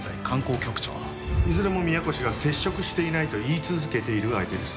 いずれも宮越が接触していないと言い続けている相手です。